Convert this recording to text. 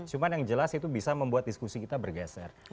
cuma yang jelas itu bisa membuat diskusi kita bergeser